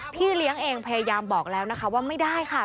พี่เลี้ยงเองพยายามบอกแล้วนะคะว่าไม่ได้ค่ะ